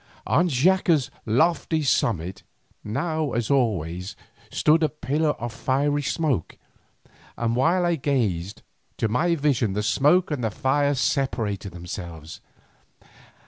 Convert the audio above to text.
On Xaca's lofty summit, now as always stood a pillar of fiery smoke, and while I gazed, to my vision the smoke and the fire separated themselves.